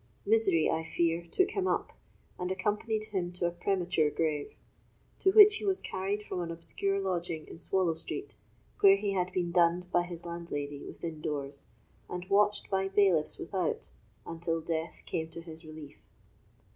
Misery, I fear, took him up, and accompanied him to a premature grave, to which he was carried from an obscure lodging in Swallow Street, where he had been dunned by his landlady within doors, and watched by bailiffs without, until death came to his relief.